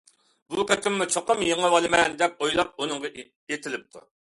بۇ قېتىممۇ چوقۇم يېڭىۋالىمەن دەپ ئويلاپ، ئۇنىڭغا ئېتىلىپتۇ.